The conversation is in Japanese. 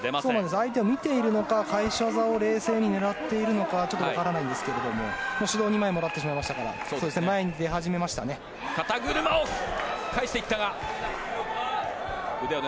相手を見ているのか返し技を冷静に狙っているのかちょっとわからないんですけれどももう指導を２枚もらってしまいましたから前に出始めましたね。